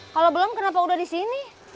kalo belum kenapa udah disini